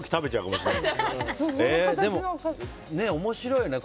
でも、面白いね。